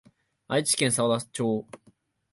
愛知県幸田町